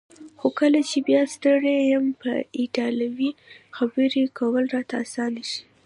خو کله چې بیا ستړی یم په ایټالوي خبرې کول راته اسانه شي.